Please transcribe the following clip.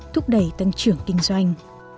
thúc đẩy tăng trưởng kinh doanh